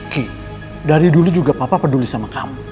ki dari dulu juga papa peduli sama kamu